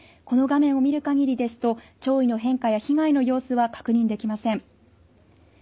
この画面を見る限りですと潮位の変化や被害の様子は確認できません。